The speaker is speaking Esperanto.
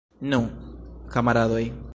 Nu, kamaradoj!